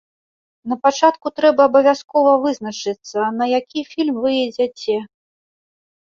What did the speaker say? Напачатку трэба абавязкова вызначыцца, на які фільм вы ідзяце.